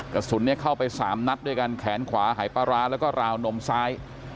กระสุนเข้าไป๓นัดด้วยกันแขนขวาหายปลาร้าแล้วก็ราวนมซ้าย